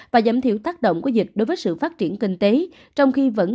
và giảm thiểu tác động của dịch đối với sự phát triển